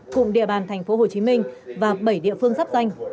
cùng địa bàn tp hcm và bảy địa phương sắp danh